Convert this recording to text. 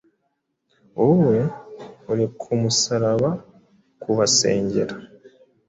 Wowe uri kumusaraba kubasengera